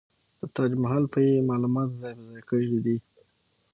د تاج محل په يې معلومات ځاى په ځاى کړي دي.